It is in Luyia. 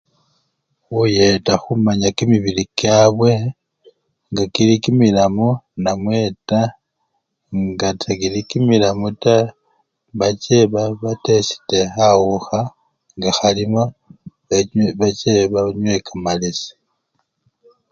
Khuyeta khumanya kimibili kyabwe nga kili kimilamu namwe taa nga tekili kimilamu taa bache ba-batesite khawukha nga khalimo bache benywe kamalesi.